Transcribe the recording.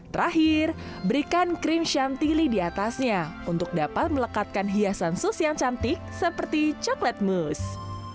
terakhir berikan krim shantile di atasnya untuk dapat melekatkan hiasan sus yang cantik seperti coklat moose